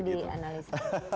biar nanti dianalisa